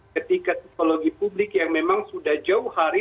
ketika psikologi publik yang memang sudah jauh hari